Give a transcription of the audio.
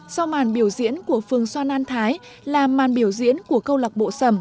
sau màn biểu diễn của phường xoan an thái là màn biểu diễn của câu lọc bộ xầm